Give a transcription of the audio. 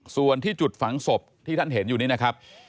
ส่วนที่จุดฝังศพที่ท่านเห็นอยู่นี้นะครับ